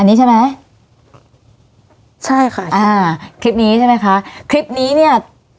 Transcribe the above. อันนี้ใช่ไหมใช่ค่ะอ่าคลิปนี้ใช่ไหมคะคลิปนี้เนี้ย